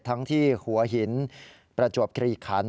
ทั้งที่หัวหินประจวบกรีคัน